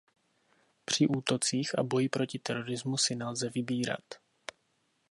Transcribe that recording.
Při útocích a boji proti terorismu si nelze vybírat.